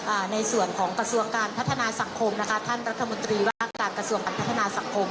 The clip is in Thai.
ในส่วนของกระทรวงการพัฒนาสังคมนะคะท่านรัฐมนตรีว่าการกระทรวงการพัฒนาสังคม